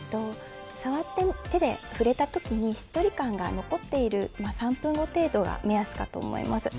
手で触れた時にしっとり感が残っている３分後程度が目安かと思います。